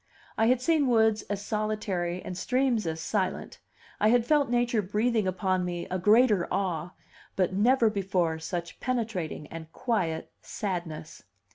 I had seen woods as solitary and streams as silent, I had felt nature breathing upon me a greater awe; but never before such penetrating and quiet sadness.